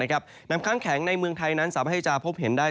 น้ำค้างแข็งในเมืองไทยนั้นสามารถให้จะพบเห็นได้